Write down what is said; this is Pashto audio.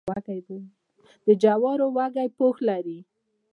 د جوارو وږی پوښ لري.